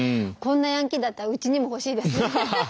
こんなヤンキーだったらうちにも欲しいです。